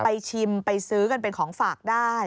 ชิมไปซื้อกันเป็นของฝากได้